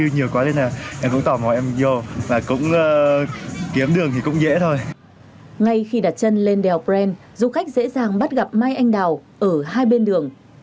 ngay khi đặt chân lên đèo bren du khách dễ dàng bắt gặp mai anh đào ở hai bên đường